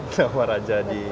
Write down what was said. nama raja di mana